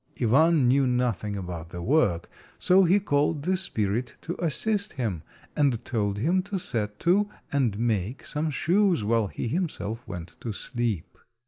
Ivan knew nothing about the work, so he called the spirit to assist him, and told him to set to and make some shoes while he himself went to sleep.